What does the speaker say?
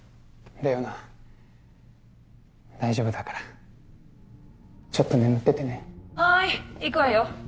玲於奈大丈夫だからちょっと眠っててねはーい行くわよ